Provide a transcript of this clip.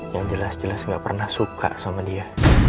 yang jelas jelas nggak pernah suka sama dia